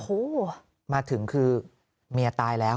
โอ้โหมาถึงคือเมียตายแล้ว